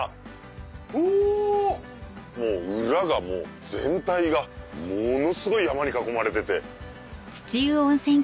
もう裏が全体がものすごい山に囲まれてて。